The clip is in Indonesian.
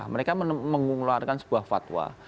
mereka mengeluarkan sebuah fatwa